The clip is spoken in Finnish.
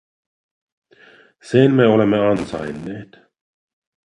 Sen me olemme ansainneet!